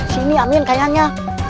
sini amin kayaknya